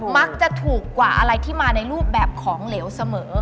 มักจะถูกกว่าอะไรที่มาในรูปแบบของเหลวเสมอ